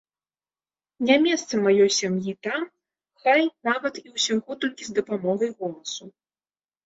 Не месца маёй сям'і там, хай нават і ўсяго толькі з дапамогай голасу.